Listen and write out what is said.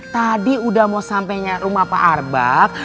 tadi udah mau sampainya rumah pak arbak